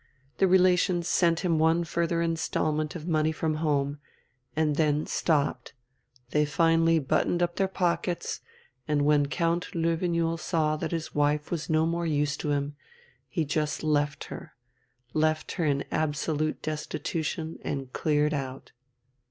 The relations sent him one further instalment of money from home, and then stopped they finally buttoned up their pockets; and when Count Löwenjoul saw that his wife was no more use to him, he just left her left her in absolute destitution and cleared out."